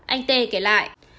anh tê kể lại